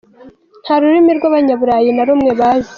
nta rurimi rw'abanyaburayi na rumwe bazi.